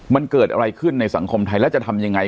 มันเกิดอะไรขึ้นในสังคมไทยแล้วจะทำยังไง